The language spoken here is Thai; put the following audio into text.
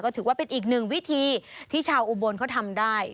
ถือว่าเป็นอีกหนึ่งวิธีที่ชาวอุบลเขาทำได้